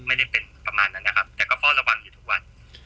ไม่ได้เป็นประมาณนั้นนะครับแต่ก็เฝ้าระวังอยู่ทุกวัน